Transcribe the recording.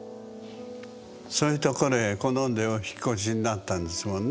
そういうところへ好んでお引っ越しになったんですもんね？